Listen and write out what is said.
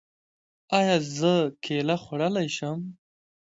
ایا زه کیله خوړلی شم؟